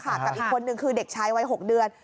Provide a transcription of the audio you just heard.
กับอีกคนนึงคือเด็กชายวัย๖เดือน